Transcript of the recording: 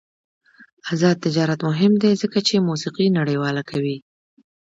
آزاد تجارت مهم دی ځکه چې موسیقي نړیواله کوي.